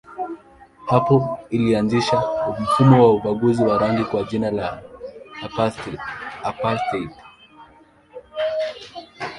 Hapo ilianzisha mfumo wa ubaguzi wa rangi kwa jina la apartheid.